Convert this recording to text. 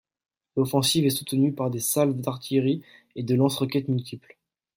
L'offensive est soutenue par des salves d'artillerie et de lance-roquettes multiples.